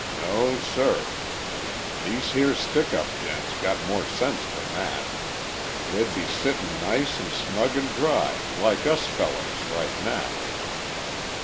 No, sir! These here stick up gents got more sense than that; they'd be settin' nice an' snug an' dry like us fellers, right now."